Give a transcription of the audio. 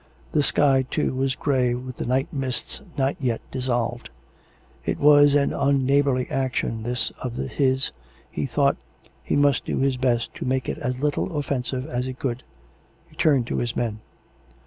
The sky, too, was grey with the night mists not yet dis solved.) It was an unneighbourly action, this of his, he thought. He must do his best to make it as little offensive as he could. He turned to his men.